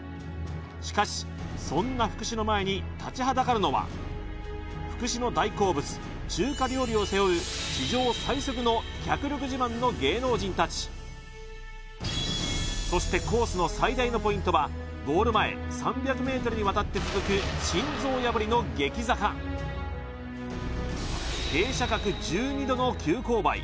しかしそんな福士の前に立ちはだかるのは福士の大好物中華料理を背負う史上最速の脚力自慢の芸能人達そしてコースの最大のポイントはゴール前３００ｍにわたって続く傾斜角１２度の急勾配